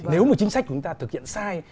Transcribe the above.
nếu mà chính sách của chúng ta thực hiện sai